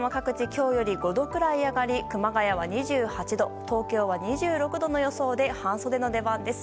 今日より５度くらい上がり熊谷は２８度東京は２６度の予想で半袖の出番です。